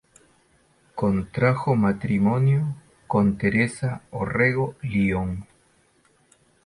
Contrajo matrimonio con Teresa Orrego Lyon.